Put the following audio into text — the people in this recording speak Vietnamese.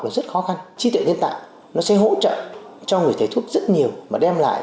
và rất khó khăn trí tuệ nhân tạo nó sẽ hỗ trợ cho người thầy thuốc rất nhiều mà đem lại